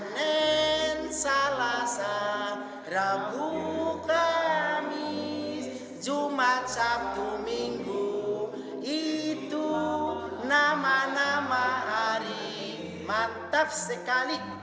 kedutaan besar indonesia